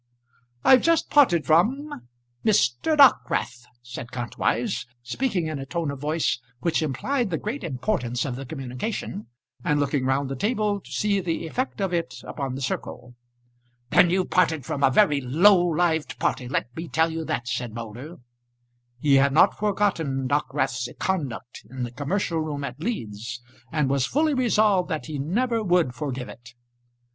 "I've just parted from Mr. Dockwrath," said Kantwise, speaking in a tone of voice which implied the great importance of the communication, and looking round the table to see the effect of it upon the circle. "Then you've parted from a very low lived party, let me tell you that," said Moulder. He had not forgotten Dockwrath's conduct in the commercial room at Leeds, and was fully resolved that he never would forgive it.